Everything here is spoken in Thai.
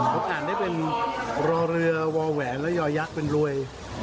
ผมอ่านได้เป็นรอเรือวอแหวนและยอยักษ์เป็นรวย